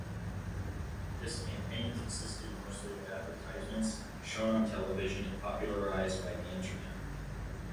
This campaign consisted mostly of advertisements, shown on television and popularised by the internet.